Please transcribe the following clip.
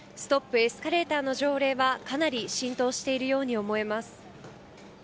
エスカレーターの条例はかなり浸透しているように思えます。